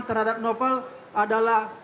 terhadap novel adalah